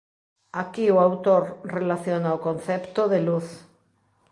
Aquí o autor relaciona o concepto de luz.